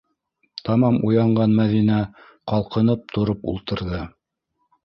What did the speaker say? Тамам уянған Мәҙинә ҡалҡынып тороп ултырҙы.